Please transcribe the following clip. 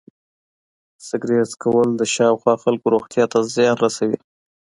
سګرټ څکول د شاوخوا خلکو روغتیا ته زیان رسوي.